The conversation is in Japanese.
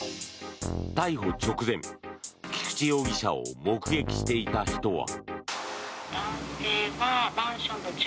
逮捕直前、菊池容疑者を目撃していた人は。